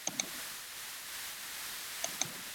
洗手间则位于月台外的单车停泊处旁边。